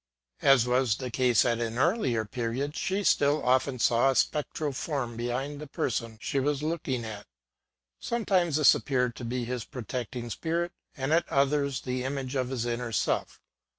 As was the case at an earlier period, she still often saw a spectral form behind the person she was look ing at. Sometimes this appeared to be his protect ing spirit, and at others the image of his inner self.